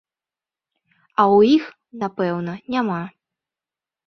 А ў іх, напэўна, няма.